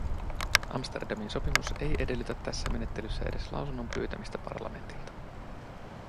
Amsterdamin sopimus ei edellytä tässä menettelyssä edes lausunnon pyytämistä parlamentilta.